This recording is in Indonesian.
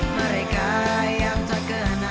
mereka yang tak kenal